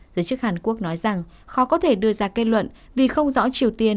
giới chức hàn quốc nói rằng khó có thể đưa ra kết luận vì không rõ triều tiên